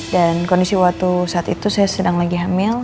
dan kondisi waktu saat itu saya sedang lagi hamil